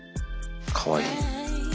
かわいい。